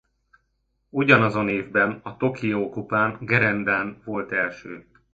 Ugyanazon évben a Tokió Kupán gerendán volt első.